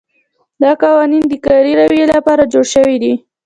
دا قوانین د کاري رویې لپاره جوړ شوي دي.